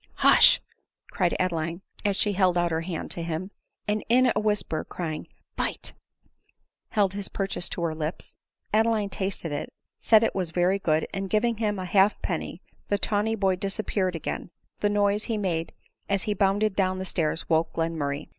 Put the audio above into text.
" Hush !" cried Adeline, as she held out her hand to =mr*mm*m*mmmB5xsEsammmmmmmm9mm ADELINE MOWBRAY. Ig9 him ; and he in a whisper crying " Bite/' held his pur chase to her lips. Adeline tasted it, said it was very good, and giving him a halfpenny, the tawny boy disap peared again ; the noise he made as he bounded down the stairs woke Glenmurray.